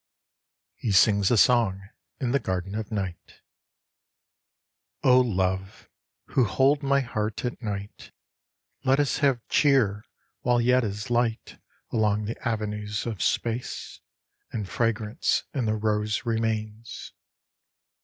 He sings a Song in the Garden of Night OLOVE, who hold my heart at night, Let us have cheer while yet is light Along the avenues of space, And fragrance in the rose remains.